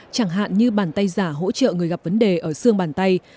chẳng hạn như bàn tay giả hỗ trợ người gặp vấn đề ở xương bàn tay